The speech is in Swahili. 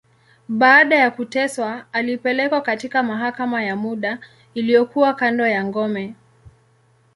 Baada ya kuteswa, alipelekwa katika mahakama ya muda, iliyokuwa kando ya ngome.